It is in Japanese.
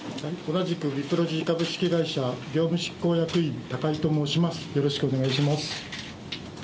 同じくビプロジー株式会社業務執行役員、と申します。